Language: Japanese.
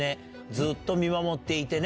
ずっと見守っていてね。